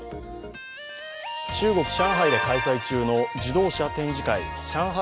中国・上海で開催中の自動車展示会上海